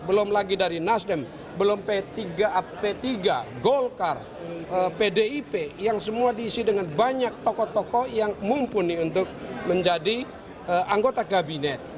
belum lagi dari nasdem belum p tiga golkar pdip yang semua diisi dengan banyak tokoh tokoh yang mumpuni untuk menjadi anggota kabinet